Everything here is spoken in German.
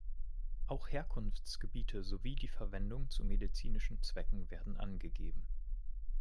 Auch Herkunftsgebiete sowie die Verwendung zu medizinischen Zwecken werden angegeben.